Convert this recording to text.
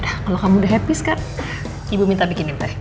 kalau kamu udah happy sekarang ibu minta bikinin teh